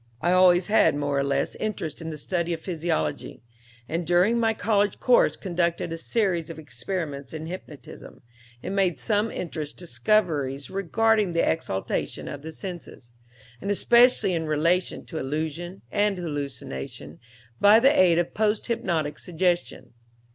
I always had more or less interest in the study of physiology, and during my college course conducted a series of experiments in hypnotism, and made some interesting discoveries regarding the exaltation of the senses, and especially in relation to illusion and hallucination by the aid of post hypnotic suggestion.